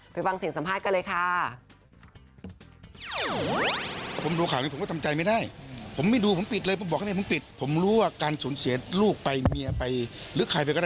ไปฟังเสียงสัมภาษณ์กันเลยค่ะ